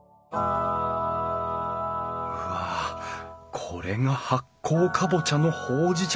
うわこれが発酵カボチャのほうじ茶